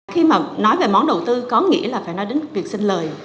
khi mà nói về món đầu tư có nghĩa là phải nói đến việc xin lời